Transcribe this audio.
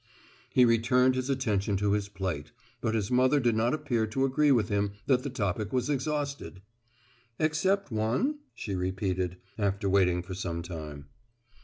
He returned his attention to his plate, but his mother did not appear to agree with him that the topic was exhausted. "`Except one'?" she repeated, after waiting for some time.